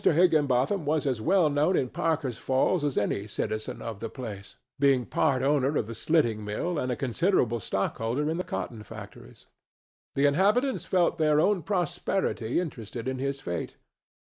Higginbotham was as well known at Parker's Falls as any citizen of the place, being part owner of the slitting mill and a considerable stockholder in the cotton factories. The inhabitants felt their own prosperity interested in his fate.